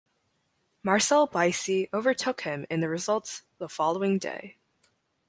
Marcel Buysse overtook him in the results the following day.